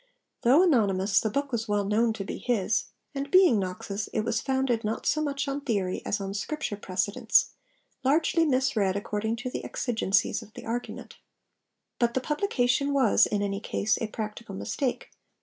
Though anonymous, the book was well known to be his; and being Knox's it was founded not so much on theory as on Scripture precedents, largely misread according to the exigencies of the argument. But the publication was, in any case, a practical mistake.